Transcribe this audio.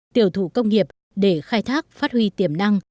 tiểu thụ công nghiệp để khai thác phát huy tiềm năng